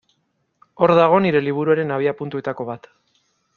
Hor dago nire liburuaren abiapuntuetako bat.